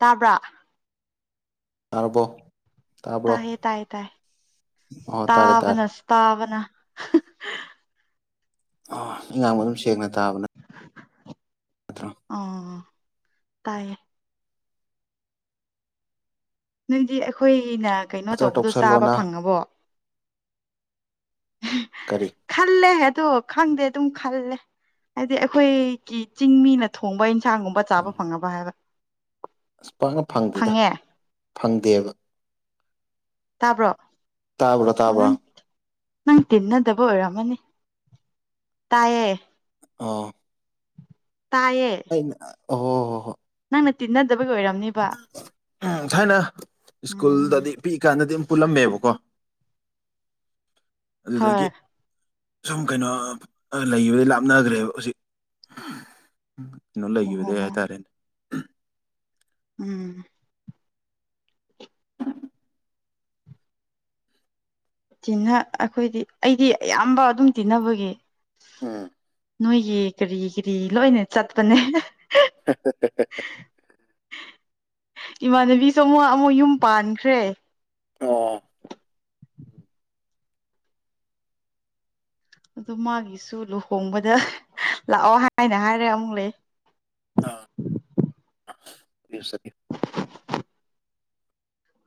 ꯇꯥꯕ꯭ꯔꯥ ꯇꯥꯔꯕꯣ ꯇꯥꯕ꯭ꯔꯣ ꯇꯥꯌꯦ ꯇꯥꯌꯦ ꯇꯥꯏ ꯑꯣ ꯇꯥꯔꯦ ꯇꯥꯔꯦ ꯇꯥꯕꯅ ꯁ ꯇꯥꯕꯅ ꯍꯍ ꯑ ꯑꯩ ꯉꯥꯡꯕ ꯑꯗꯨꯝ ꯁꯦꯡꯅ ꯇꯥꯕꯅ ꯑꯣ ꯇꯥꯏꯌꯦ ꯅꯪꯗꯤ ꯑꯈꯣꯏꯅ ꯀꯩꯅꯣ ꯃꯥꯁꯇꯔ ꯇꯧꯕꯗꯣ ꯆꯥꯕ ꯇꯧꯁꯜꯂꯣꯅ ꯐꯪꯉꯕꯣ ꯀꯔꯤ ꯈꯜꯂꯦ ꯑꯗꯣ ꯈꯪꯗꯦ ꯑꯗꯨꯝ ꯈꯜꯂꯦ ꯍꯥꯏꯗꯤ ꯑꯈꯣꯏꯒꯤ ꯆꯤꯡ ꯃꯤꯅ ꯊꯣꯡꯕ ꯅ ꯏꯟꯁꯥꯡꯒꯨꯝꯕ ꯆꯥꯕ ꯐꯪꯉꯕ ꯍꯥꯏꯕ ꯑꯁ ꯄꯥꯛꯅ ꯐꯪꯗꯦꯗ ꯐꯪꯉꯦ ꯐꯪꯗꯦꯕ ꯇꯥꯕ꯭ꯔꯣ ꯇꯥꯕ꯭ꯔꯥ ꯑꯣ ꯇꯥꯕ꯭ꯔꯥ ꯅꯪ ꯅꯪ ꯇꯤꯟꯅꯗꯕ ꯑꯣꯏꯔꯝꯃꯅꯤ ꯇꯥꯏꯌꯦ ꯑꯣ ꯇꯥꯏꯌꯦ ꯑꯩꯅ ꯑꯣ ꯍꯣ ꯍꯣ ꯍꯣ ꯅꯪꯅ ꯇꯤꯟꯅꯗ ꯎꯝ ꯊꯥꯏꯅ ꯎꯝ ꯁ꯭ꯀꯨꯜꯗꯗꯤ ꯄꯤꯛꯏ ꯀꯥꯟꯗꯗ ꯄꯨꯜꯂꯝꯃꯦꯕꯀꯣ ꯍꯣꯏ ꯑꯗꯨꯗꯒꯤ ꯁꯨꯝ ꯀꯩꯅꯣ ꯂꯩꯕꯗꯩ ꯂꯥꯞꯅꯈ꯭ꯔꯦꯕ ꯍꯧꯖꯤꯛ ꯀꯩꯅꯣ ꯂꯩꯒꯤꯕꯗꯩ ꯑꯣ ꯍꯥꯏꯇꯥꯔꯦꯅꯦ ꯎꯝ ꯇꯤꯟꯅ ꯑꯈꯣꯏꯗꯤ ꯑꯩꯗꯤ ꯑꯌꯥꯝꯕ ꯑꯗꯨꯝ ꯇꯤꯟꯅꯕꯒꯤ ꯎꯝ ꯅꯣꯏꯒꯤ ꯀꯔꯤ ꯀꯔꯤ ꯂꯣꯏꯅ ꯆꯠꯄꯅꯦ ꯍꯦꯍꯦꯍꯦ ꯏꯃꯥꯟꯅꯕꯤꯁꯨ ꯑꯃꯨꯛ ꯑꯃꯨꯛ ꯌꯨꯝ ꯄꯥꯟꯈ꯭ꯔꯦ ꯑꯣ ꯑꯗꯨ ꯃꯥꯒꯤꯁꯨ ꯂꯨꯍꯣꯡꯕꯗ ꯂꯥꯛꯑꯣ ꯍꯥꯏꯅ ꯍꯥꯏꯔꯦ ꯑꯃꯨꯛ ꯂꯩ ꯑꯥ ꯆꯠꯄꯤꯌꯨ ꯆꯠ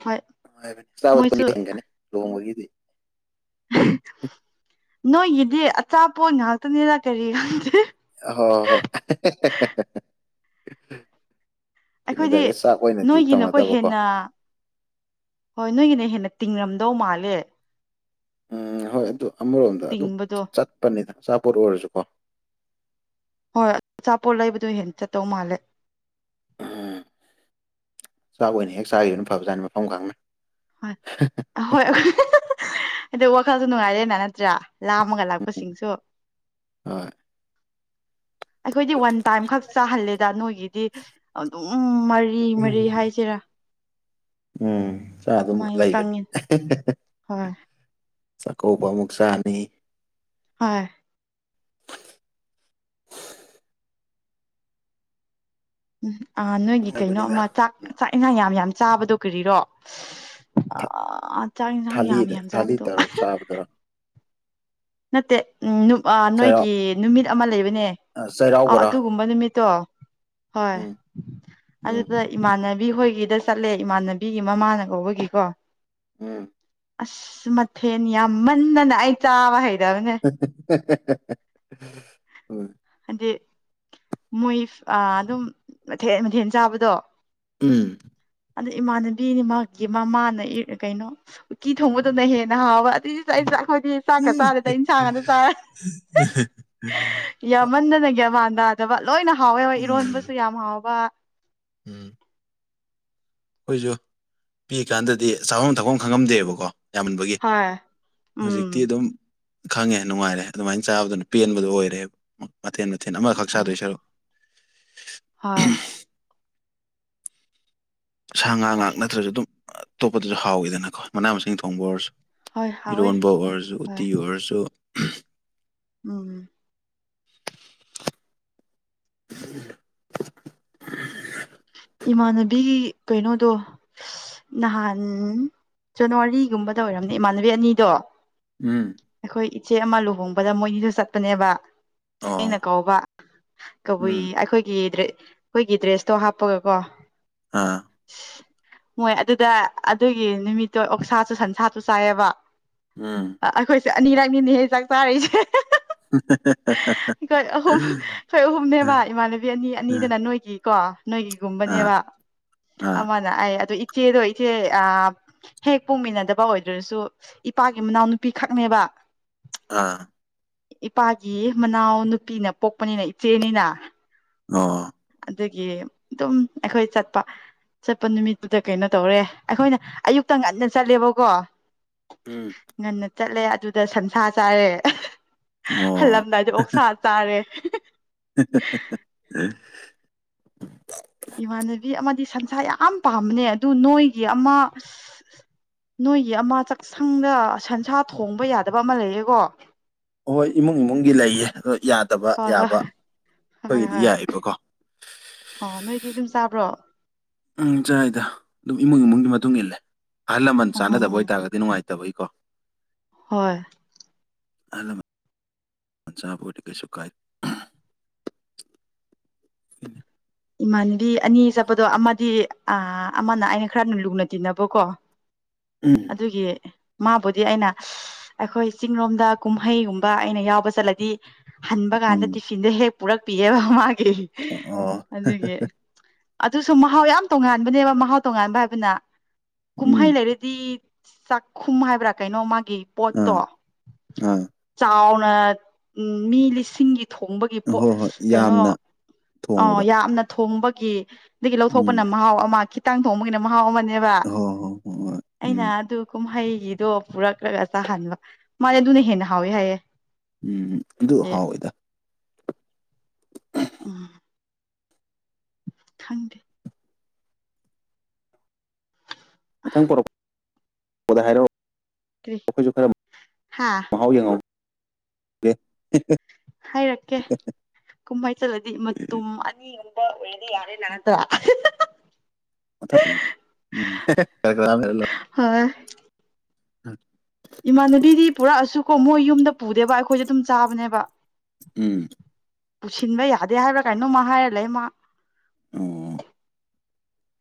ꯍꯣꯏ ꯃꯣꯏꯁꯨ ꯅꯨꯉꯥꯏꯕꯅꯦ [unintelligible] [inaudible] ꯅꯣꯏꯒꯤꯗꯤ ꯑꯆꯥꯄꯣꯠ ꯉꯥꯛꯇꯅꯤꯅ ꯀꯔꯤ ꯈꯪꯗꯦ ꯍꯣꯏ ꯍꯣꯏ ꯑꯩꯈꯣꯏꯅ [inaudible] ꯑꯈꯣꯏꯗꯤ ꯗꯥꯏꯔꯦꯛ ꯆꯥꯛ ꯑꯣꯏꯅꯗꯤ ꯅꯣꯏꯒꯤꯅꯀꯣ ꯇꯧꯅꯗꯕꯀꯣ ꯍꯦꯟꯅ ꯍꯣꯏ ꯅꯣꯏꯒꯤꯅ ꯍꯦꯟꯅ ꯇꯤꯡꯉꯝꯗꯧ ꯃꯥꯜꯂꯦ ꯎꯝ ꯍꯣꯏ ꯑꯗꯨ ꯑꯃꯔꯣꯝꯗ ꯑꯗꯨꯝ ꯇꯤꯡꯕꯗꯣ ꯆꯠꯄꯅꯤꯗ ꯑꯆꯥꯄꯣꯠ ꯑꯣꯏꯔꯁꯨꯀꯣ ꯍꯣꯏ ꯑꯆꯥꯄꯣꯠ ꯂꯩꯕꯗꯣ ꯍꯦꯟꯅ ꯆꯠꯇꯧ ꯃꯥꯜꯂꯦ ꯎꯝ ꯆꯥꯛ ꯑꯣꯏꯅ ꯍꯦꯛ ꯆꯥꯈꯤꯕꯅ ꯐꯕꯖꯥꯅꯤ ꯃꯐꯝ ꯈꯪꯅ ꯍꯣꯏ ꯍꯣꯏ ꯑꯗꯣ ꯋꯥꯈꯜꯁꯨ ꯅꯨꯡꯉꯥꯏꯔꯦꯅ ꯅꯠꯇ꯭ꯔꯥ ꯂꯥꯝꯃꯒ ꯎꯝ ꯂꯥꯛꯄꯁꯤꯡꯁꯨ ꯍꯣꯏ ꯑꯈꯣꯏꯗꯤ ꯋꯥꯟ ꯇꯥꯏꯝ ꯈꯛ ꯆꯥꯍꯜꯂꯦꯗ ꯅꯣꯏꯒꯤꯗꯤ ꯑꯗꯨꯝ ꯃꯔꯤ ꯃꯔꯤ ꯎꯝ ꯍꯥꯏꯁꯤꯔꯥ ꯎꯝ ꯆꯥꯛ ꯑꯗꯨꯝ ꯃꯥꯏꯅ ꯂꯩꯒꯅꯤ ꯆꯪꯉꯤ ꯍꯣꯏ ꯆꯥꯛꯀꯧꯕ ꯑꯃꯨꯛ ꯆꯥꯅꯤ ꯍꯣꯏ ꯎꯝ ꯑ ꯅꯣꯏꯒꯤ ꯅꯨꯡꯉꯥꯏꯕꯅꯤꯗ ꯀꯩꯅꯣꯃ ꯆꯥꯛ ꯎꯝ ꯆꯥꯛ ꯏꯟꯁꯥꯡ ꯌꯥꯝ ꯌꯥꯝ ꯆꯥꯕꯗꯣ ꯀꯔꯤꯔꯣ ꯊ ꯑꯥ ꯆꯥꯛ ꯏꯟꯁꯥꯡ ꯌꯥꯝ ꯊꯥꯂꯤꯗ ꯌꯥꯝ ꯊꯥꯂꯤ ꯆꯥꯕꯗꯣ ꯇꯧꯔ ꯆꯥꯕꯗꯨꯔꯣ ꯅꯠꯇꯦ ꯆꯩꯔꯥꯎ ꯅꯣꯏꯒꯤ ꯅꯨꯃꯤꯠ ꯑꯃ ꯂꯩꯕꯅꯦ ꯑ ꯑꯥ ꯆꯩꯔꯥꯎꯕꯔꯣ ꯑꯗꯨꯒꯨꯝꯕ ꯅꯨꯃꯤꯠ ꯇꯣ ꯍꯣꯏ ꯎꯝ ꯎꯝ ꯑꯗꯨꯗ ꯏꯃꯥꯟꯅ ꯕꯤꯈꯣꯏꯒꯤꯗ ꯆꯠꯂꯦ ꯏꯃꯥꯟꯅꯕꯤꯒꯤ ꯃꯃꯥꯅ ꯀꯧꯕꯒꯤꯀꯣ ꯎꯝ ꯑꯁ ꯃꯊꯦꯜ ꯌꯥꯝ ꯃꯟꯗꯅ ꯑꯩ ꯆꯥꯕ ꯍꯩꯇꯕꯅꯦ ꯍꯦ ꯍꯦ ꯍꯣꯏ ꯍꯥꯏꯗꯤ ꯃꯣꯏ ꯑꯗꯨꯝ ꯃꯊꯦꯜ ꯃꯊꯦꯜ ꯆꯥꯕꯗꯣ ꯎꯝ ꯑꯗꯨꯗ ꯏꯃꯥꯟꯅꯕꯤꯅꯤ ꯃꯥꯒꯤ ꯃꯃꯥꯅ ꯀꯩꯅꯣ ꯎꯇꯤ ꯊꯣꯡꯕꯗꯨꯅ ꯍꯦꯟꯅ ꯍꯥꯎꯕ ꯑꯩ ꯑꯈꯣꯏꯗꯤ ꯆꯥꯛꯀ ꯎꯝ ꯆꯥꯔꯦꯗ ꯏꯟꯁꯥꯡ ꯉꯥꯇ ꯆꯥꯔꯦ ꯀꯝꯃꯟꯗꯅꯒꯤ ꯃꯥꯟꯗꯅ ꯂꯣꯏꯅ ꯍꯥꯎꯋꯦ ꯍꯣꯏ ꯏꯔꯣꯟꯕꯁꯨ ꯌꯥꯝ ꯍꯥꯎꯕ ꯎꯝ ꯑꯈꯣꯏꯁꯨ ꯄꯤꯛꯏ ꯀꯥꯟꯗꯗꯤ ꯆꯥꯐꯝ ꯊꯛꯐꯝ ꯈꯪꯉꯝꯗꯦꯕꯀꯣ ꯌꯥꯝꯃꯟꯕꯒꯤ ꯍꯣꯏ ꯎꯝ ꯍꯧꯖꯤꯛꯇꯤ ꯑꯗꯨꯝ ꯈꯪꯉꯦ ꯅꯨꯡꯉꯥꯏꯔꯦ ꯑꯗꯨꯃꯥꯏꯅ ꯆꯥꯕꯗꯨꯅ ꯄꯦꯟꯕꯗꯣ ꯑꯣꯏꯔꯦ ꯃꯊꯦꯜ ꯃꯊꯦꯜ ꯑꯃꯈꯛ ꯑꯣ ꯆꯥꯗꯣꯏ ꯁꯔꯨꯛ ꯍꯣꯏ ꯁꯥ ꯉꯥ ꯉꯥꯛ ꯑꯗꯨꯗꯤ ꯅꯠꯇ꯭ꯔꯁꯨ ꯑꯗꯨꯝ ꯑꯇꯣꯞꯄꯗꯁꯨ ꯍꯥꯎꯋꯤꯗꯅꯀꯣ ꯃꯅꯥ ꯃꯁꯤꯡ ꯊꯣꯡꯕ ꯑꯣꯏꯔꯁꯨ ꯍꯣꯏ ꯍꯥꯎꯋꯦ ꯏꯔꯣꯟꯕ ꯑꯣꯏꯔꯁꯨ ꯍꯣꯏ ꯎꯇꯤ ꯑꯣꯏꯔꯁꯨ ꯎꯝ [inaudible] ꯏꯃꯥꯟꯅꯕꯤꯒꯤ ꯀꯩꯅꯣꯗꯣ ꯅꯍꯥꯟ ꯖꯅꯋꯥꯔꯤꯒꯨꯝꯕꯗ ꯑꯣꯏꯔꯝꯅꯦ ꯏꯃꯥꯟꯅꯕꯤ ꯑꯅꯤꯗꯣ ꯎꯝ ꯑꯩꯈꯣꯏ ꯏꯆꯦ ꯑꯃ ꯂꯨꯍꯣꯡꯕꯗ ꯃꯣꯏꯅꯤꯁꯨ ꯆꯠꯄꯅꯦꯕ ꯑꯩꯅ ꯑꯣ ꯀꯧꯕꯕ ꯀꯕꯨꯏ ꯎꯝ ꯑꯈꯣꯏꯒꯤ ꯑꯈꯣꯏꯒꯤ ꯗ꯭ꯔꯦꯁ ꯇꯣ ꯍꯥꯞꯄꯒꯀꯣ ꯑꯥ ꯃꯣꯏ ꯑꯗꯨꯗ ꯑꯗꯨꯒꯤ ꯅꯨꯃꯤꯠꯇꯣ ꯑꯣꯛꯁꯥꯁꯨ ꯁꯟꯁꯥꯁꯨ ꯆꯥꯏꯑꯕ ꯎꯝ ꯑꯅꯤꯔꯛꯅꯤꯅꯦ ꯍꯦ ꯆꯥꯛ ꯆꯥꯔꯤꯏꯁꯦ ꯎꯝ ꯍꯦꯍꯦ ꯑꯈꯣꯏ ꯑꯍꯨꯝ ꯑꯩꯈꯣꯏ ꯑꯍꯨꯝꯅꯦꯕ ꯎꯝ, ꯏꯃꯥꯟꯅꯕꯤ ꯑꯅꯤ ꯎꯝ, ꯑꯅꯤꯗꯅ ꯅꯣꯏꯒꯤ ꯀꯣ ꯑꯥ ꯅꯣꯏꯒꯤꯒꯨꯝꯕꯅꯦꯕ ꯑꯥ ꯑꯃꯅ ꯑꯩ ꯑꯗꯨ ꯏꯆꯦꯗꯣ ꯏꯆꯦ ꯍꯦꯛ ꯄꯣꯛꯃꯤꯟꯅꯗꯕ ꯑꯣꯏꯗ꯭ꯔꯁꯨ ꯏꯄꯥꯒꯤ ꯃꯅꯥꯎ ꯅꯨꯄꯤ ꯈꯛꯅꯦꯕ ꯑꯥ ꯏꯄꯥꯒꯤ ꯃꯅꯥꯎ ꯅꯨꯄꯤꯅ ꯄꯣꯛꯄꯅꯤꯅ ꯏꯆꯦꯅꯤꯅ ꯑꯣ ꯑꯗꯒꯤ ꯑꯗꯨꯝ ꯑꯈꯣꯏ ꯆꯠꯄ ꯆꯠꯄ ꯅꯨꯃꯤꯠꯇꯨꯗ ꯀꯩꯅꯣ ꯇꯧꯔꯦ ꯑꯈꯣꯏꯅ ꯑꯌꯨꯛꯇ ꯉꯟꯅ ꯆꯠꯂꯦꯕꯀꯣ ꯎꯝ ꯉꯟꯅ ꯆꯠꯂꯦ ꯑꯗꯨꯗ ꯁꯟꯁꯥ ꯆꯥꯔꯦ ꯑꯣ ꯍꯜꯂꯝꯂꯝꯗꯥꯏꯗ ꯑꯣꯛ ꯁꯥꯥ ꯆꯥꯔꯦ ꯍꯦꯍꯦ ꯏꯃꯥꯟꯅꯕꯤ ꯑꯃꯗꯤ ꯁꯟꯁꯥ ꯌꯥꯝ ꯄꯥꯝꯕꯅꯦ ꯑꯗꯨ ꯅꯣꯏꯒꯤ ꯑꯃ ꯅꯣꯏꯒꯤ ꯑꯃ ꯆꯥꯛꯁꯪꯗ ꯁꯟꯁꯥ ꯊꯣꯡꯕ ꯌꯥꯗꯕ ꯑꯃ ꯂꯩꯔꯦꯀꯣ ꯍꯣꯏ ꯏꯃꯨꯡ ꯏꯃꯨꯡꯒꯤ ꯂꯩꯌꯦ ꯑꯗꯣ ꯌꯥꯗꯕ ꯍꯣꯏ ꯍꯣꯏ ꯌꯥꯕ ꯍꯣꯏ ꯑꯩꯈꯣꯏꯒꯤꯗꯤ ꯍꯣꯏ ꯌꯥꯑꯦꯕꯀꯣ ꯑꯣ ꯅꯣꯏꯗꯤ ꯑꯗꯨꯝ ꯆꯥꯕ꯭ꯔꯣ ꯎꯝ ꯆꯥꯏꯗ ꯑꯗꯨꯝ ꯏꯃꯨꯡ ꯏꯃꯨꯡꯒꯤ ꯃꯇꯨꯡ ꯏꯜꯂꯦ ꯑꯍꯜ ꯂꯃꯟ ꯆꯥꯟꯅꯗꯕ ꯑꯣ ꯑꯣꯏꯇꯥꯔꯒꯗꯤ ꯅꯨꯡꯉꯥꯏ ꯇꯕꯒꯤꯀꯣ ꯍꯣꯏ ꯍꯜꯂꯣ ꯑꯆꯄꯣꯠꯇꯤ ꯀꯩꯁꯨ ꯀꯥꯏ [inaudible] ꯏꯃꯥꯟꯅꯕꯤ ꯑꯅꯤ ꯆꯠꯄꯗꯣ ꯑꯃꯗꯤ ꯑꯥ ꯑꯃꯅ ꯑꯩꯅ ꯈꯔ ꯂꯨꯅ ꯇꯤꯟꯅꯕꯀꯣ ꯎꯝ ꯑꯗꯨꯒꯤ ꯃꯥꯕꯨꯗꯤ ꯑꯩꯅ ꯑꯩꯈꯣꯏ ꯆꯤꯡ ꯂꯣꯝꯗ ꯀꯨꯝꯍꯩꯒꯨꯝꯕ ꯑꯩꯅ ꯌꯥꯎꯕ ꯆꯠꯂꯗꯤ ꯍꯟꯕ ꯀꯥꯟꯗ ꯎꯝ ꯇꯤꯐꯤꯟꯗ ꯍꯦꯛ ꯄꯨꯔꯛꯄꯤꯑꯕ ꯃꯥꯒꯤ ꯑꯣ ꯑꯗꯨꯒꯤ ꯑꯗꯨꯁꯨ ꯃꯍꯥꯎ ꯌꯥꯝ ꯇꯣꯉꯥꯟꯕꯅꯦꯕ ꯃꯍꯥꯎ ꯇꯣꯉꯥꯟꯕ ꯍꯥꯏꯕꯅ ꯎꯝ ꯀꯨꯝꯍꯩ ꯂꯩꯔꯗꯤ ꯆꯥꯛꯈꯨꯝ ꯍꯥꯏꯕ꯭ꯔꯥ ꯀꯩꯅꯣ ꯃꯥꯒꯤ ꯑꯥ ꯄꯣꯠꯇꯣ ꯑꯥ ꯆꯥꯎꯅ ꯑꯥ ꯃꯤ ꯂꯤꯁꯤꯡꯒꯤ ꯊꯣꯡꯕꯒꯤ ꯄꯣꯠ ꯍꯣꯏ ꯍꯣꯏ ꯀꯩꯅꯣ ꯌꯥꯝꯅ ꯑꯥ ꯊꯣꯡꯕꯗꯣ ꯌꯥꯝꯅ ꯊꯣꯡꯕꯒꯤ ꯑꯗꯒꯤ ꯎꯝ ꯂꯧꯊꯣꯛꯄꯅ ꯃꯍꯥꯎ ꯑꯃ ꯈꯤꯇꯥꯡ ꯊꯣꯡꯕꯒꯤꯅ ꯃꯍꯥꯎ ꯑꯃꯅꯤ ꯅꯦꯕ ꯍꯣꯏ ꯍꯣꯏ ꯍꯣꯏ ꯍꯣꯏ ꯑꯩꯅ ꯎꯝ ꯑꯗꯨ ꯀꯨꯝꯍꯩ ꯐꯤꯗꯣ ꯄꯨꯔꯛꯈ꯭ꯔꯒ ꯆꯥꯍꯟꯕ ꯃꯥꯅꯦ ꯑꯗꯨꯅ ꯍꯦꯟꯅ ꯍꯥꯎꯋꯦ ꯍꯥꯏꯌꯦ ꯎꯝ ꯑꯗꯨ ꯑꯦ ꯍꯥꯎꯏꯗ ꯎꯝ ꯈꯪꯗꯦ ꯃꯊꯪ ꯄꯣꯔꯛ ꯄꯗ ꯍꯥꯏꯔꯛ ꯑꯣ ꯀꯔꯤ ꯑꯣꯈꯣꯏꯖꯨ ꯈꯔ ꯍꯥ ꯃꯍꯥꯎ ꯌꯦꯡꯍꯧꯒꯦ ꯍꯥꯏꯔꯛꯀꯦ ꯀꯨꯝꯍꯩ ꯆꯠꯂꯗꯤ ꯃꯇꯨꯝ ꯑꯅꯤ [unintelligible] [unintelligible] ꯑꯥ [unintelligible] ꯏꯃꯥꯟꯅꯕꯤꯗꯤ ꯄꯨꯔꯛꯑꯁꯨꯀꯣ ꯃꯣꯏ ꯌꯨꯝꯗ ꯄꯨꯗꯦꯕ ꯑꯩꯈꯣꯏꯗ ꯑꯗꯨꯝ ꯆꯥꯕꯅꯦꯕ ꯎꯝ ꯄꯨꯁꯤꯟꯕ ꯌꯥꯗꯦ ꯍꯥꯏꯕ꯭ꯔꯥ ꯀꯥꯏꯅꯣꯃ ꯍꯥꯏꯔ ꯂꯩꯔ ꯃꯥ ꯑꯣ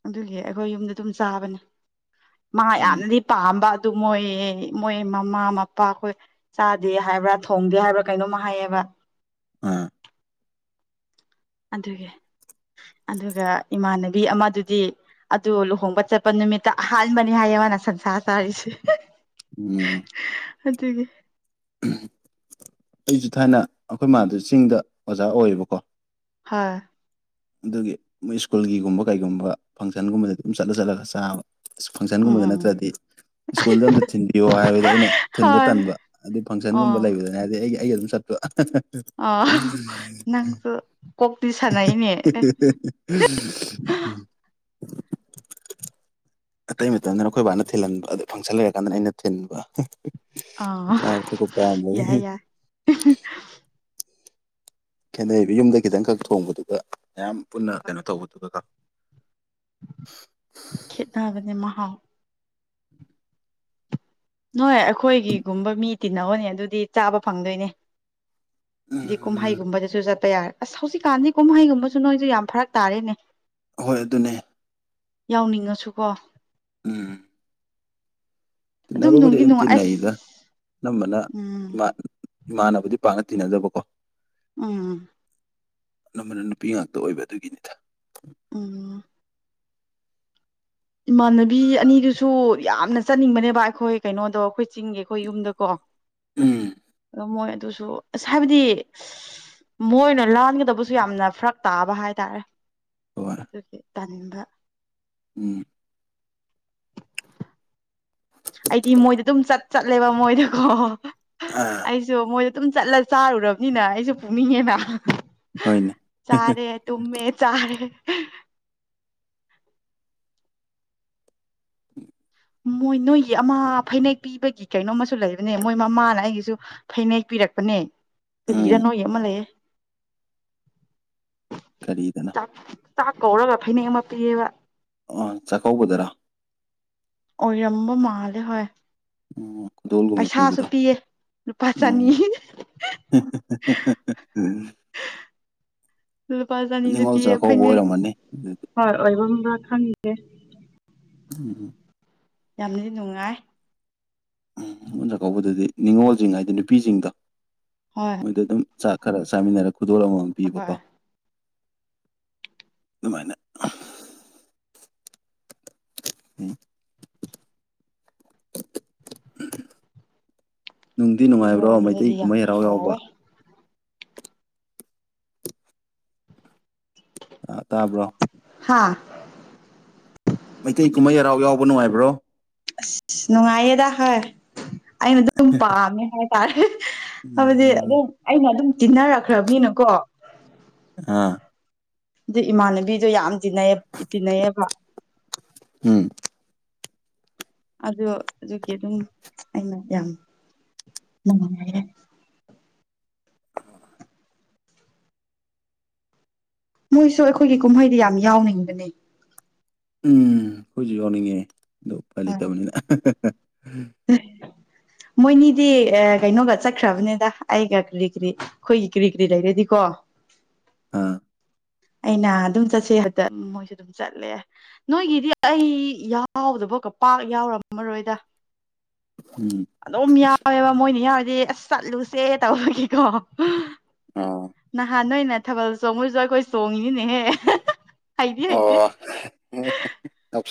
ꯑꯗꯨꯒꯤ ꯑꯩꯈꯣꯏ ꯌꯨꯝꯗ ꯑꯗꯨꯝ ꯆꯥꯕꯅꯦ ꯃꯥ ꯎꯝ ꯌꯥꯝꯅꯗꯤ ꯄꯥꯝꯕ ꯑꯗꯨ ꯃꯣꯏ ꯃꯣꯏ ꯃꯃꯥ ꯃꯄꯥ ꯑꯩꯈꯣꯏ ꯆꯥꯗꯦ ꯍꯥꯏꯕ꯭ꯔꯥ ꯊꯣꯡꯗꯦ ꯍꯥꯏꯕ꯭ꯔꯥ ꯀꯩꯅꯣꯝꯃ ꯍꯥꯏꯌꯦꯕ [inaudible] ꯑꯥ ꯑꯗꯨꯒꯤ ꯑꯗꯨꯒ ꯏꯃꯥꯟꯅꯕꯤ ꯑꯃꯗꯨꯗꯤ ꯑꯗꯨ ꯂꯨꯍꯣꯡꯕ ꯆꯠꯄ ꯅꯨꯃꯤꯠꯇ ꯑꯍꯥꯟꯕꯅꯤ ꯍꯥꯏ ꯃꯅ ꯁꯟꯁꯥ ꯆꯔꯤꯁꯦ ꯎꯝ ꯑꯗꯨꯒꯤ ꯑꯩꯁꯨ ꯊꯥꯏꯅ ꯑꯩꯈꯣꯏ ꯃꯥꯗ ꯆꯤꯡꯗ ꯑꯣꯖꯥ ꯑꯣꯏꯌꯦꯕꯀꯣ ꯍꯣꯏ ꯑꯗꯨꯒꯤ ꯃꯣꯏ ꯁ꯭ꯀꯨꯜꯒꯤꯒꯨꯝꯕ ꯀꯩꯒꯨꯝꯕ ꯐꯪꯁꯟꯒꯨꯝꯕꯗ ꯑꯗꯨꯝ ꯆꯠꯂ ꯆꯠꯂꯒ ꯆꯥꯕ ꯎꯝ ꯐꯪꯁꯟꯒꯨꯝꯕꯗ ꯎꯝ ꯅꯠꯇ꯭ꯔꯗꯤ ꯁ꯭ꯀꯨꯜꯗ ꯑꯝꯇ ꯊꯤꯟꯕꯤꯌꯣ ꯍꯥꯏꯕꯗꯤ ꯑꯩꯅ ꯊꯤꯟꯕ ꯍꯣꯏ ꯇꯟꯕ ꯑꯗꯨ ꯐꯪꯁꯟꯒꯨꯝꯕ ꯑꯣ ꯂꯩꯕꯗꯅꯦ ꯍꯥꯏꯗꯤ ꯑꯩꯒꯤ ꯑꯩ ꯑꯗꯨꯝ ꯆꯠꯣ ꯑꯣ ꯅꯪꯁꯨ ꯀꯣꯛꯇꯤ ꯍꯥ ꯁꯥꯟꯅꯩꯅꯦ ꯑꯦ ꯍꯥ ꯍꯥ ꯍꯥ ꯎꯝ [inaudible] ꯑꯇꯩ ꯃꯇꯝꯗꯅ ꯑꯩꯈꯣꯏ ꯕꯥꯅ ꯊꯤꯜꯍꯟꯕ ꯑꯗ ꯐꯪꯁꯟ ꯂꯩꯔꯀꯥꯟꯗꯅ ꯑꯩꯅ ꯊꯤꯟꯕ ꯑꯥꯎ ꯆꯥꯕ ꯊꯛꯄ ꯌꯥꯏ ꯄꯥꯝꯕꯒꯤ ꯌꯥꯏ ꯈꯦꯠꯅꯩꯕ ꯌꯨꯝꯗ ꯈꯤꯇꯪꯈꯛ ꯊꯣꯡꯕꯗꯨꯒ ꯃꯌꯥꯝ ꯄꯨꯟꯅ ꯀꯩꯅꯣ ꯇꯧꯕꯗꯨꯒ ꯈꯦꯠꯅꯕꯅꯦ ꯃꯍꯥꯎ ꯅꯣꯏ ꯑꯩꯈꯣꯏꯒꯤꯒꯨꯝꯕ ꯃꯤ ꯇꯤꯅꯧꯅꯦ ꯑꯗꯨꯗꯤ ꯆꯥꯕ ꯐꯪꯗꯣꯏꯅꯦ ꯎꯝ ꯀꯨꯨꯝꯍꯩꯒꯨꯝꯕꯗꯁꯨ ꯆꯠ ꯇꯌꯔ ꯑꯁ ꯍꯧꯖꯤꯛꯀꯥꯟꯗꯤ ꯀꯨꯝꯍꯩꯒꯨꯝꯕꯁꯨ ꯅꯣꯏꯁꯨ ꯌꯥꯝ ꯐꯔꯛ ꯇꯥꯔꯦꯅꯦ ꯍꯣꯏ ꯑꯗꯨꯅꯦ ꯌꯥꯎꯅꯤꯡꯉꯁꯨ ꯀꯣ ꯎꯝ ꯇꯤꯅꯕꯕꯨꯗꯤ ꯅꯨꯡꯗꯤ ꯑꯗꯨꯝ ꯅꯨꯡꯉꯥꯏ ꯑꯁ ꯇꯤꯟꯅꯩꯗ ꯑꯅꯝꯕꯅ ꯎꯝ ꯏꯃꯥꯟ ꯏꯃꯥꯟꯅꯕꯗꯤ ꯄꯥꯛꯅ ꯇꯤꯟꯅꯗꯕ ꯎꯝ ꯑꯅꯝꯕꯅ ꯅꯨꯄꯤ ꯉꯥꯛꯇ ꯑꯣꯏꯕ ꯑꯗꯨꯒꯤꯅꯤꯗ ꯎꯝ ꯏꯃꯥꯟꯅꯕꯤ ꯑꯅꯤꯗꯨꯁꯨ ꯌꯥꯝꯅ ꯆꯠꯅꯤꯡꯕꯅꯦꯕ ꯑꯩꯈꯣꯏ ꯀꯩꯅꯣꯗꯣ ꯑꯩꯈꯣꯏ ꯆꯤꯡꯒꯤ ꯑꯩꯈꯣꯏ ꯌꯨꯝꯗꯀꯣ ꯎꯝ ꯑꯗꯣ ꯃꯣꯏ ꯑꯗꯨꯁꯨ ꯑꯁ ꯍꯥꯏꯕꯗꯤ ꯃꯣꯏꯅ ꯂꯥꯟꯒꯗꯕꯁꯨ ꯌꯥꯝꯅ ꯐꯔꯛ ꯇꯥꯕ ꯍꯥꯏꯇꯥꯔꯦ ꯍꯣꯏ ꯑꯗꯨꯒꯤ ꯇꯥꯟꯕ ꯎꯝ ꯑꯩꯗꯤ ꯃꯣꯏꯗ ꯑꯗꯨꯝ ꯆꯠ ꯆꯠꯂꯦꯕ ꯃꯣꯏꯗꯀꯣ ꯑꯥ ꯑꯩꯁꯨ ꯃꯣꯏꯗ ꯑꯗꯨꯝ ꯆꯠꯂ ꯆꯥꯔꯨꯔꯕꯅꯤꯅ ꯑꯩꯁꯨ ꯄꯨꯛꯅꯤꯡꯉꯦꯅ ꯍꯣꯏꯅꯦ ꯆꯥꯔꯦ ꯇꯨꯃꯦ ꯆꯥꯔꯦ ꯃꯣꯏ ꯅꯣꯏꯒꯤ ꯑꯃ ꯐꯩꯅꯦꯛ ꯄꯤꯕꯒꯤ ꯀꯩꯅꯣꯝꯃꯨ ꯂꯩꯕꯅꯦ ꯃꯣꯏ ꯃꯃꯥꯅ ꯑꯩꯒꯤꯁꯨ ꯐꯩꯅꯦꯛ ꯄꯤ ꯄꯤꯔꯛꯄꯅꯦ ꯀꯔꯤꯔ ꯎꯝ ꯅꯣꯏ ꯑꯃ ꯂꯩꯌꯦ ꯀꯔꯤꯗꯅꯣ ꯆꯥꯛ ꯆꯥꯛ ꯀꯧꯔꯒ ꯐꯅꯦꯛ ꯑꯃ ꯄꯤꯑꯕ ꯑꯥ ꯆꯥꯛꯀꯧꯕꯗꯔꯥ ꯑꯣꯏꯔꯝꯕ ꯃꯥꯂꯦ ꯍꯣꯏ ꯎꯝ ꯈꯨꯗꯣꯜꯒꯨꯝꯕ ꯄꯩꯁꯥꯁꯨ ꯄꯤꯕꯗꯣ ꯄꯤꯌꯦ ꯂꯨꯄꯥ ꯎꯝ ꯆꯅꯤ ꯍꯦ ꯍꯦ ꯍꯦ ꯂꯨꯄꯥ ꯆꯥꯅꯤꯁꯨ ꯄꯤꯌꯦ ꯐꯩꯅꯦꯛ ꯑꯣꯏꯔꯝꯃꯅꯤ ꯑꯗꯨꯗꯤ ꯍꯣꯏ ꯑꯣꯏꯕꯝꯕ꯭ꯔ ꯈꯪꯗꯤꯌꯦ ꯎꯝ ꯌꯥꯝꯅꯗꯤ ꯅꯨꯡꯉꯥꯏ ꯅꯤꯡꯉꯣꯟ ꯆꯥꯛꯀꯧꯕꯗꯗꯤ ꯅꯤꯡꯉꯣꯜꯖꯤꯡ ꯍꯥꯏꯗꯤ ꯅꯨꯄꯤꯁꯤꯡꯗ ꯍꯣꯏ ꯃꯣꯏꯗ ꯑꯗꯨꯝ ꯆ ꯈꯔ ꯆꯥꯃꯤꯟꯅꯔꯒ ꯈꯨꯗꯣꯜ ꯑꯃꯃꯝ ꯄꯤꯕꯀꯣ ꯍꯣꯏ ꯑꯗꯨꯃꯥꯏꯅ ꯎꯝ [inaudible] ꯅꯨꯡꯗꯤ ꯑꯗꯨꯒꯤ ꯅꯨꯡꯉꯥꯏꯕ꯭ꯔꯣ ꯔꯣꯝꯗꯗꯤ ꯃꯩꯇꯩ ꯌꯥꯝ ꯀꯨꯝꯍꯩ ꯍꯔꯥꯎ ꯌꯥꯎꯕ ꯍꯥꯎꯋꯦ ꯑꯥ ꯇꯥꯕ꯭ꯔꯣ ꯍꯥꯥ ꯃꯩꯇꯩ ꯀꯨꯝꯍꯩ ꯍꯔꯥꯎ ꯌꯥꯎꯕ ꯅꯨꯡꯉꯥꯏꯕ꯭ꯔꯣ ꯑꯁ ꯅꯨꯡꯉꯥꯏꯌꯦꯗ ꯍꯣꯏ ꯑꯩꯅ ꯑꯗꯨꯝ ꯄꯥꯝꯃꯦ ꯍꯥꯏꯇꯥꯔꯦ ꯍꯥꯏꯕꯗꯤ ꯎꯝ ꯑꯗꯨꯝ ꯑꯩꯅ ꯑꯗꯨꯝ ꯇꯤꯟꯅꯔꯛꯈ꯭ꯔꯕꯅꯤꯅꯀꯣ ꯑꯥ ꯑꯗꯨ ꯏꯃꯥꯟꯅꯕꯤꯗꯣ ꯌꯥꯝ ꯇꯤꯟꯅꯩ ꯇꯤꯟꯅꯩꯑꯕ ꯎꯝ ꯑꯗꯨ ꯑꯗꯨꯒꯤ ꯑꯗꯨꯝ ꯑꯩꯅ ꯌꯥꯝ [unintelligible] ꯑꯣ ꯃꯣꯏꯁꯨ ꯑꯩꯈꯣꯏꯒꯤ ꯀꯨꯝꯍꯩꯗꯤ ꯌꯥꯝ ꯌꯥꯎꯅꯤꯡꯕꯅꯦ ꯎꯝ ꯑꯩꯈꯣꯏꯁꯨ ꯌꯥꯎꯅꯤꯡꯉꯦ ꯑꯗꯨ ꯎꯄꯥꯏ ꯍꯣꯏ ꯂꯩꯇꯕꯅꯤꯅ ꯃꯣꯏꯅꯤꯗꯤ ꯀꯩꯅꯣꯒ ꯆꯠꯈ꯭ꯔꯕꯅꯦꯗ ꯑꯩꯒ ꯀꯔꯤ ꯀꯔꯤ ꯑꯩꯈꯣꯏꯒꯤ ꯀꯔꯤ ꯀꯔꯤ ꯂꯩꯔꯦꯗꯤꯀꯣ [inaudible] ꯑꯥ ꯑꯩꯅ ꯑꯗꯨꯝ ꯆꯠꯁꯦ ꯍꯦꯏꯕ ꯃꯣꯏꯁꯨ ꯑꯗꯨꯝ ꯆꯠꯂꯦ ꯅꯣꯏꯒꯤꯗꯤ ꯑꯩ ꯌꯥꯎꯗꯕ ꯄꯥꯛ ꯌꯥꯎꯔꯝꯃꯔꯣꯏꯗ ꯎꯝ ꯑꯗꯨꯝ ꯌꯥꯎꯋꯦꯕ ꯃꯣꯏꯅ ꯌꯥ ꯑꯁ ꯆꯠꯂꯨꯁꯦ ꯇꯧꯕꯒꯤꯀꯣ ꯑꯣ ꯅꯍꯥꯟ ꯅꯣꯏꯅ ꯊꯥꯕꯜ ꯆꯣꯡꯕꯁꯨ ꯑꯈꯣꯏ ꯆꯣꯡꯉꯤꯅꯦꯍꯦ ꯍꯩꯗꯤ ꯍꯩꯇꯦ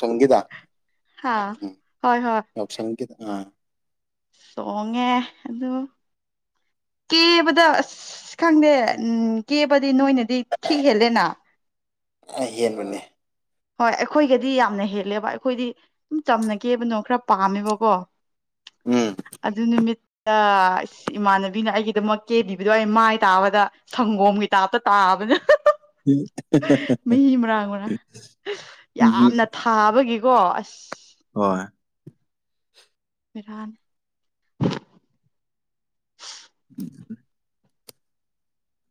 ꯁꯪꯒꯤꯗ ꯍꯥ ꯍꯣꯏ ꯍꯣꯏ ꯌꯥꯎꯁꯪꯒꯤꯗ ꯑꯥ ꯆꯣꯡꯉꯦ ꯑꯗꯨ ꯀꯦꯕꯗ ꯑꯁ ꯈꯪꯗꯦ ꯎꯝ ꯀꯦꯕꯗꯤ ꯅꯣꯏꯅꯗꯤ ꯈꯤꯛ ꯍꯦꯜꯂꯦꯅ ꯑꯥ ꯌꯦꯟ ꯕꯅꯦ ꯍꯣꯏ ꯑꯈꯣꯏꯒꯗꯤ ꯌꯥꯝꯅ ꯍꯦꯜꯂꯦꯕ ꯑꯈꯣꯏꯗꯤ ꯁ ꯆꯝꯅꯒꯦꯕꯅꯣ ꯈꯔ ꯄꯥꯝꯃꯦꯕꯀꯣ ꯎꯝ ꯑꯗꯨ ꯅꯨꯃꯤꯠ ꯑ ꯏꯃꯥꯟꯅꯕꯤꯅ ꯑꯩꯒꯤꯗꯃꯛ ꯀꯦꯗꯤꯕꯗꯣ ꯑꯩ ꯃꯥꯏ ꯇꯥꯕꯗ ꯁꯪꯒꯣꯝꯒꯤ ꯇꯥꯞꯇ ꯇꯥ [unintelligible] ꯎꯝ ꯍ ꯃꯔꯥꯡ ꯍ ꯌꯥꯝꯅ ꯊꯥꯕꯒꯤꯀꯣ ꯑꯁ ꯍꯣꯏ ꯕꯦꯔꯅꯤ [inaudible]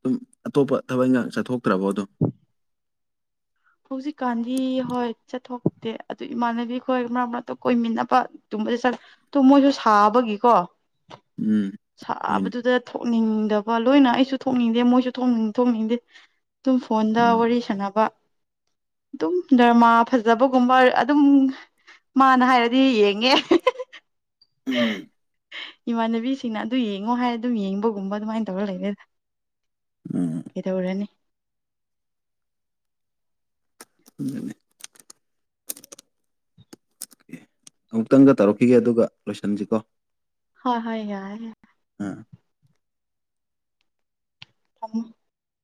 ꯁꯨꯝ ꯑꯇꯣꯞꯄ ꯊꯕꯛꯒ ꯆꯠꯊꯣꯛꯇ꯭ꯔꯕꯣ ꯑꯗꯨꯝ ꯍꯧꯖꯤꯛꯀꯥꯟꯗꯤ ꯍꯣꯏ ꯆꯠꯊꯣꯛꯇꯦ ꯑꯗꯨ ꯏꯃꯥꯟꯅꯕꯤꯈꯣꯏ ꯃꯔꯛ ꯃꯔꯛꯇ ꯀꯣꯏꯃꯤꯟꯅꯕ ꯇꯨꯝꯃꯁꯨ ꯁꯥꯕꯒꯤꯀꯣ ꯎꯝ ꯍꯣꯏꯅꯦ ꯁꯥꯕꯗꯨꯗ ꯊꯣꯛꯅꯤꯡꯗꯕ ꯂꯣꯏꯅ ꯑꯩꯁꯨ ꯊꯣꯛꯅꯤꯡꯗꯦ ꯃꯣꯏꯁꯨꯅꯤꯡ ꯊꯣꯛꯅꯤꯡꯗꯦ ꯇꯨꯝ ꯐꯣꯟꯗ ꯎꯝ ꯋꯥꯔꯤ ꯁꯥꯟꯅꯕ ꯑꯗꯨꯝ ꯗꯔꯃꯥ ꯐꯖꯕꯒꯨꯝꯕ ꯑꯗꯨꯝ ꯃꯥꯅ ꯍꯥꯏꯔꯗꯤ ꯌꯦꯡꯉꯦ ꯎꯝ ꯏꯃꯥꯟꯅꯕꯤꯁ ꯑꯗꯨ ꯌꯦꯡꯉꯣ ꯍꯥꯏꯔ ꯑꯗꯨꯝ ꯌꯦꯡꯕꯒꯨꯝꯕ ꯑꯗꯨꯃꯥꯏꯅ ꯇꯧꯔ ꯂꯩꯅꯦꯗ ꯎꯝ ꯀꯩꯗꯧꯔꯅꯤ ꯑꯗꯨꯅꯦ ꯑꯃꯨꯛꯇꯪꯒ ꯇꯧꯔꯛꯈꯤꯒꯦ ꯑꯗꯨꯒ ꯂꯣꯏꯁꯤꯟꯁꯤꯀꯣ ꯍꯣꯏ ꯍꯣꯏ ꯌꯥꯏ ꯌꯥ ꯑꯥ [inaudible]